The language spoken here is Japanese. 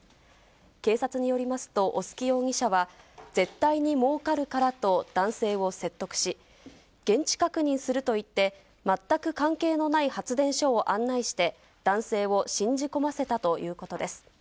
警察によりますと、小薄容疑者は絶対にもうかるからと男性を説得し、現地確認すると言って全く関係のない発電所を案内して、男性を信じ込ませたということです。